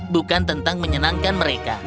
bukan tentang menyenangkan mereka